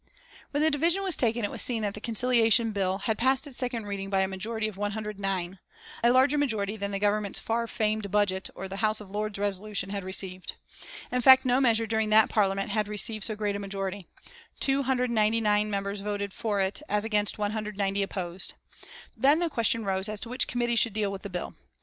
When the division was taken it was seen that the Conciliation Bill had passed its second reading by a majority of 109, a larger majority than the Government's far famed budget or the House of Lords Resolution had received. In fact no measure during that Parliament had received so great a majority 299 members voted for it as against 190 opposed. Then the question arose as to which committee should deal with the bill. Mr.